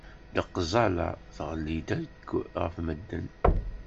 Deqzalla tɣelli-d akk ɣef medden.